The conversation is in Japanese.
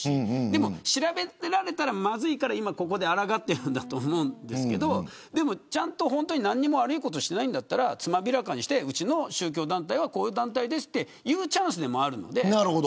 でも調べられたら、まずいから今ここで、あらがっているんだと思うんですけどでも、ちゃんと何にも悪いことしていないんだったらつまびらかにしてうちの宗教団体はこういう団体ですと言うチャンスでもあるので。